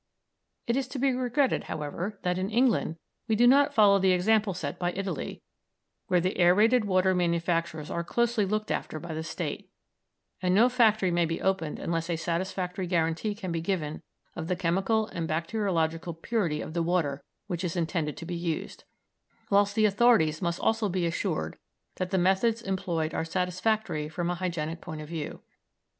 It is to be regretted, however, that in England we do not follow the example set by Italy, where the aërated water manufacturers are closely looked after by the State, and no factory may be opened unless a satisfactory guarantee can be given of the chemical and bacteriological purity of the water which is intended to be used, whilst the authorities must also be assured that the methods employed are satisfactory from a hygienic point of view.